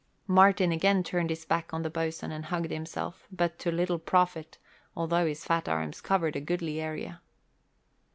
Martin again turned his back on the boatswain and hugged himself, but to little profit, although his fat arms covered a goodly area.